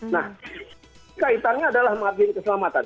nah kaitannya adalah mengabdi keselamatan